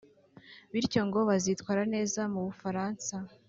bityo ngo bazitwara neza mu Bufaransa